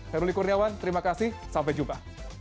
saya ruli kurniawan terima kasih sampai jumpa